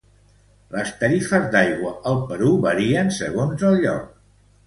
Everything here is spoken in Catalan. Les tarifes d'aigua al Perú varien segons el lloc.